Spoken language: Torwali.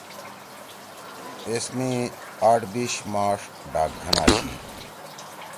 ایس می آٹھ بیش ماݜ ڈاک گھن آشی۔